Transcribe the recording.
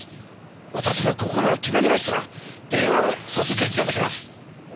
私の心が決まりましたら電話をさせて頂きます！